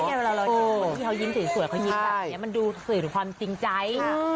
คนที่เธอยิ้มสวยเขายิ้มแบบนี้มันดูสวยด้วยความจริงใจ